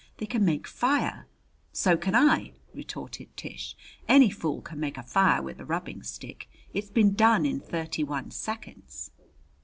They can make fire " "So can I," retorted Tish. "Any fool can make a fire with a rubbing stick. It's been done in thirty one seconds."